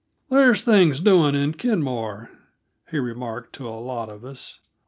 "There's things doing in Kenmore," he remarked to a lot of us.